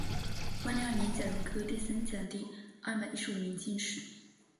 万历二年甲戌科第三甲第二百一十五名进士。